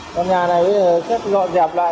còn nhà này bây giờ chắc gọn dẹp lại